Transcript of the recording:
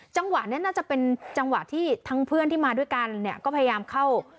จังหวะนี้น่าจะเป็นจังหวะที่ทั้งเพื่อนที่มาด้วยกันเนี่ยก็พยายามเข้า